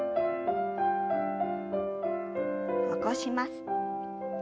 起こします。